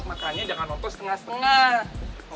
makanya jangan nonton setengah setengah